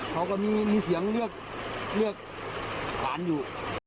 เขาก็มีเสียงเรียกหลานอยู่